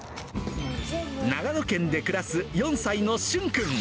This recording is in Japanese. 長野県で暮らす４歳の旬くん。